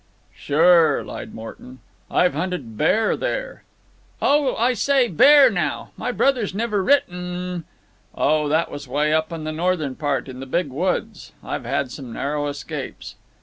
"Sure," lied Morton; "I've hunted bear there." "Oh, I say, bear now! My brother's never written m—" "Oh, that was way up in the northern part, in the Big Woods. I've had some narrow escapes."